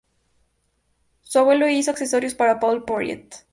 Su abuelo hizo accesorios para Paul Poiret.